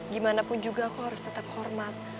gimanapun juga aku harus tetap hormat